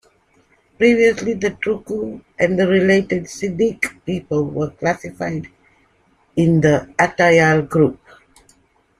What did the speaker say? Previously, the Truku and the related Seediq people were classified in the Atayal group.